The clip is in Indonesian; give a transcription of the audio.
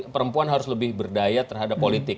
perempuan harus lebih berdaya terhadap politik